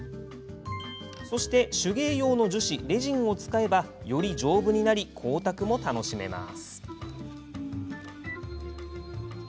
手芸用の樹脂、レジンを使えばより丈夫になり光沢も楽しめます。